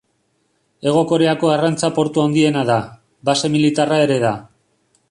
Hego Koreako arrantza portu handiena da; base militarra ere da.